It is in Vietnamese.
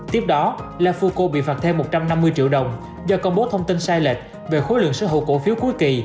tiếp đó la fuco bị phạt thêm một trăm năm mươi triệu đồng do công bố thông tin sai lệch về khối lượng sở hữu cổ phiếu cuối kỳ